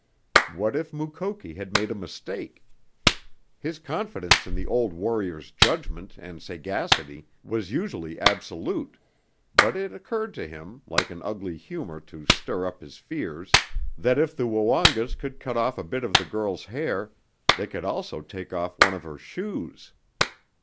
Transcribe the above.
What if Mukoki had made a mistake? His confidence in the old warrior's judgment and sagacity was usually absolute, but it occurred to him, like an ugly humor to stir up his fears, that if the Woongas could cut off a bit of the girl's hair they could also take off one of her shoes!